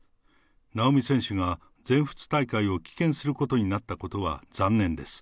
なおみ選手が全仏大会を棄権することになったことは残念です。